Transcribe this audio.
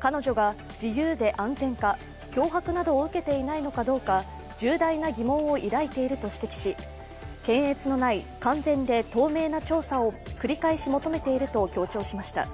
彼女が自由で安全か、脅迫などを受けていないのかどうか重大な疑問を抱いていると指摘し検閲のない完全で透明な調査を繰り返し求めていると強調しました。